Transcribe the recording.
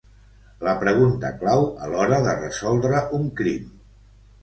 La pregunta clau a l'hora de resoldre un crim.